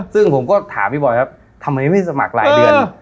ซึ่งผมก็ถามพี่บอยครับทำไมไม่สมัครหลายเดือน